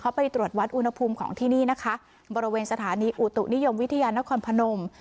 เขาไปตรวจวัดอุณหภูมิของที่นี่นะคะบริเวณสถานีอุตุนิยมวิทยานครพนม